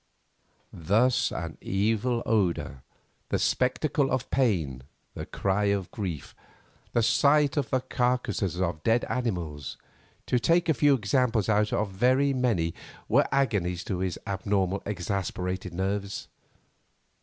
Thus an evil odour, the spectacle of pain, the cry of grief, the sight of the carcases of dead animals, to take a few examples out of very many, were agonies to his abnormal, exasperated nerves.